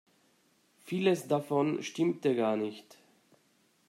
Vieles davon stimmte gar nicht.